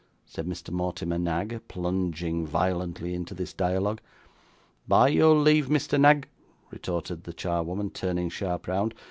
said Mr. Mortimer Knag, plunging violently into this dialogue. 'By your leave, Mr. Knag,' retorted the charwoman, turning sharp round.